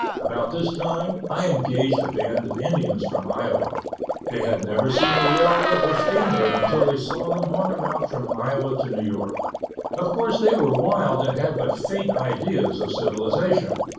About this time, I engaged a band of Indians from Iowa. They had never seen a railroad or steamboat until they saw them on the route from Iowa to New York. Of course they were wild and had but faint ideas of civilization.